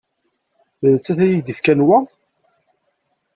D nettat i ak-d-yefkan wa?